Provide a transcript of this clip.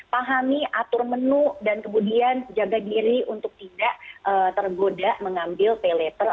pahami atur menu dan kemudian jaga diri untuk tidak tergoda mengambil pay letter